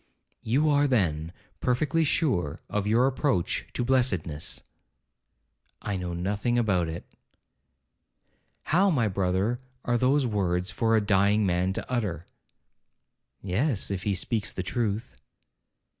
'You are, then, perfectly sure of your approach to blessedness?' 'I know nothing about it.' 'How, my brother, are those words for a dying man to utter?' 'Yes, if he speaks the truth.'